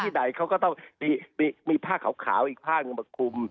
ไปที่ไหนเขาก็ต้องมีผ้าขาวอีกผ้ามาคุม